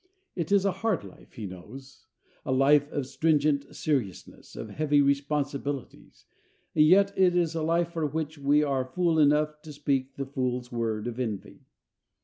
It is a hard life, he knows; a life of stringent seriousness, of heavy responsibilities: and yet it is a life for which we are fool enough to speak the fool's word of envy.